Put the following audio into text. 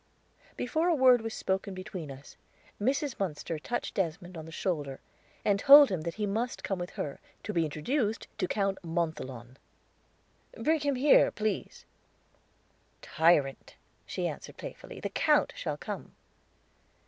Before a word was spoken between us, Mrs. Munster touched Desmond on the shoulder, and told him that he must come with her, to be introduced to Count Montholon. "Bring him here, please." "Tyrant," she answered playfully, "the Count shall come."